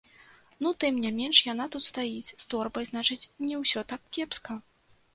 Ну тым не менш яна тут стаіць з торбай, значыць, не ўсё так кепска.